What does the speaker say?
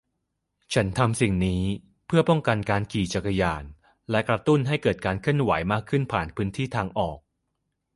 ฉันทำสิ่งนี้เพื่อป้องกันการขี่จักรยานและกระตุ้นให้เกิดการเคลื่อนไหวมากขึ้นผ่านพื้นที่ทางออก